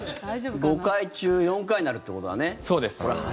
５回中４回になるということだね。